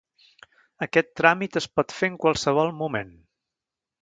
Aquest tràmit es pot fer en qualsevol moment.